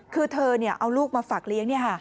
คือเธอเนี่ยเอาลูกมาฝักเลี้ยงนี่ค่ะ